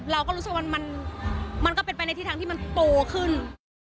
เราก็รู้สึกว่ามันก็เป็นไปในทิศทางที่มันโตขึ้น